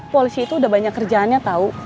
polisi itu udah banyak kerjaannya tahu